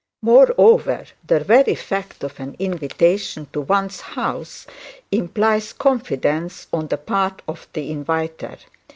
Moreover, the very fact of an invitation to one's house implies confidence on the part of the inviter.